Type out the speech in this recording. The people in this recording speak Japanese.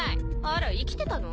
あら生きてたの？